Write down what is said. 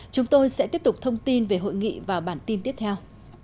chúng tôi sẽ tiếp tục thông tin về hội nghị vào bản tin tiếp theo